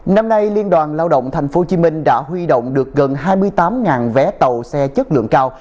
năm nay liên đoàn lao động tp hcm đã huy động được gần hai mươi tám vé tàu xe chất lượng cao